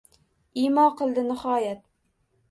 Imo qildi nihoyat